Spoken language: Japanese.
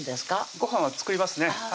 ごはんは作りますね